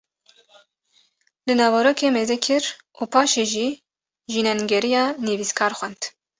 li naverokê mêzekir û paşê jî jînengeriya nivîskar xwend